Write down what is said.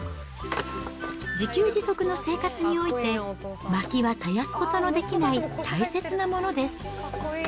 自給自足の生活において、まきは絶やすことのできない大切なものです。